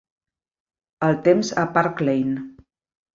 El temps a Park Layne